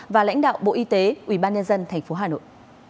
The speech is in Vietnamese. và lãnh đạo bộ y tế ủy ban nhân dân thành phố hà nội